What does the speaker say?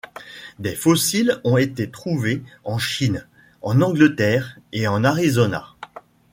Des fossiles ont été trouvés en Chine, en Angleterre et en Arizona.